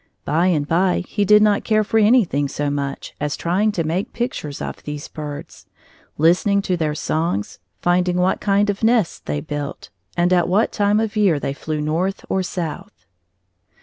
By and by he did not care for anything so much as trying to make pictures of these birds, listening to their songs, finding what kind of nests they built, and at what time of year they flew north or south.